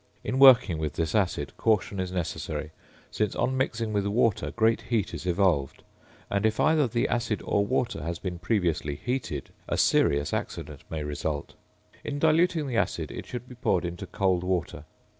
In working with this acid caution is necessary, since, on mixing with water, great heat is evolved; and, if either the acid or water has been previously heated, a serious accident may result. In diluting the acid it should be poured into cold water.